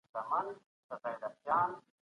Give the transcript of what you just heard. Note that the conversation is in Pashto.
موږ د سياست په اړه نوې څېړنې پيل کړي دي.